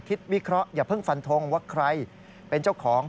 วิเคราะห์อย่าเพิ่งฟันทงว่าใครเป็นเจ้าของ